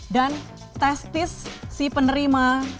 dan testis si penerima